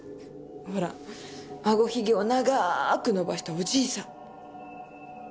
ほらあごヒゲを長ーく伸ばしたおじいさん。